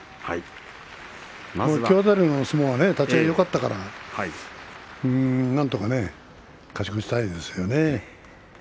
きょうあたりの相撲は立ち合いのよかったからなんとかね勝ち越したいですよね。